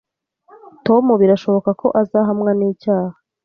Tom birashoboka ko azahamwa n'icyaha